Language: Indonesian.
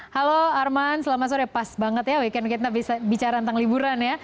halo arman selamat sore pas banget ya weekend kita bicara tentang liburan ya